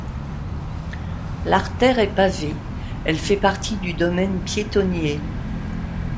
L'artère est pavée, elle fait partie du domaine piétonnier.